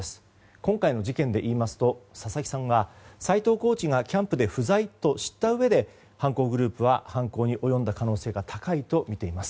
今回の事件でいいますと佐々木さんは斎藤コーチがキャンプで不在と知ったうえで犯行グループは犯行に及んだ可能性が高いとみています。